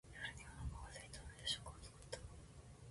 夜にお腹がすいたので夜食を作った。